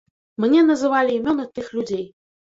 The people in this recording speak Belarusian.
Мне называлі імёны тых людзей.